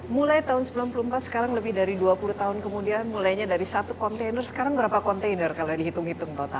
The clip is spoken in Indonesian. mulai tahun seribu sembilan ratus sembilan puluh empat sekarang lebih dari dua puluh tahun kemudian mulainya dari satu kontainer sekarang berapa kontainer kalau dihitung hitung total